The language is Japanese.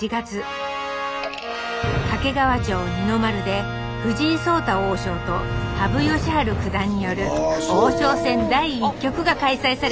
掛川城二の丸で藤井聡太王将と羽生善治九段による王将戦第１局が開催されました。